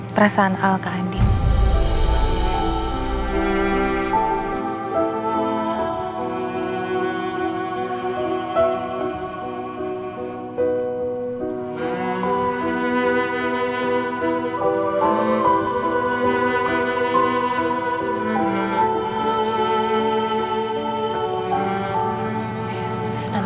perasaan al kak andin